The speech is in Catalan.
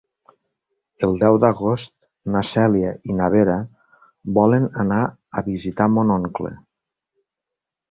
El deu d'agost na Cèlia i na Vera volen anar a visitar mon oncle.